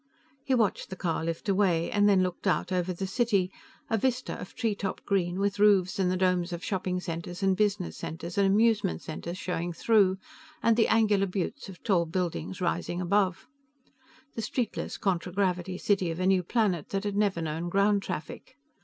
He watched the car lift away, and then looked out over the city a vista of treetop green, with roofs and the domes of shopping centers and business centers and amusement centers showing through, and the angular buttes of tall buildings rising above. The streetless contragravity city of a new planet that had never known ground traffic.